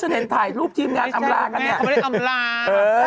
ไม่ชัดเห็นถ่ายรูปทีมงานอำลากันเนี่ย